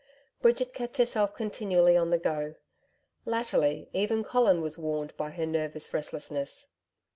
Bridget kept herself continually on the go. Latterly, even Colin was warned by her nervous restlessness.